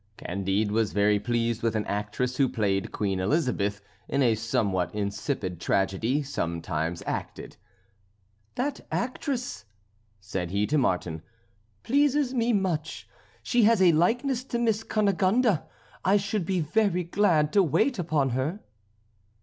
Candide was very pleased with an actress who played Queen Elizabeth in a somewhat insipid tragedy sometimes acted. "That actress," said he to Martin, "pleases me much; she has a likeness to Miss Cunegonde; I should be very glad to wait upon her."